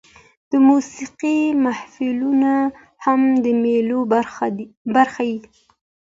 د موسیقۍ محفلونه هم د مېلو برخه يي.